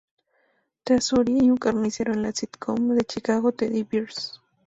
Treasury", y un carnicero en la sitcom "The Chicago Teddy Bears".